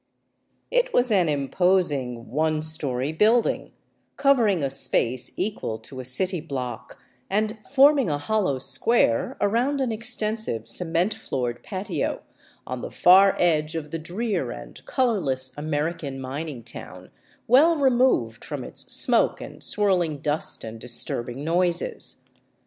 It was an imposing, one story building, covering a space equal to a city block and forming a hollow square around an extensive cement floored patio, on the far edge of the drear and colorless American min ing town, well removed from its smoke and swirling dust and disturb ing noises.